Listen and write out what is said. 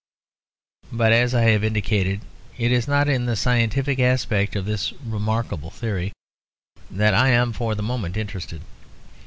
But, as I have indicated, it is not in the scientific aspect of this remarkable theory that I am for the moment interested.